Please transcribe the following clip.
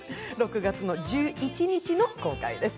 ６月１１日の公開です。